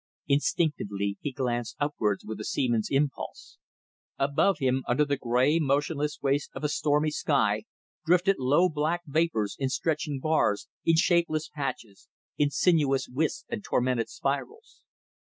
Instinctively he glanced upwards with a seaman's impulse. Above him, under the grey motionless waste of a stormy sky, drifted low black vapours, in stretching bars, in shapeless patches, in sinuous wisps and tormented spirals.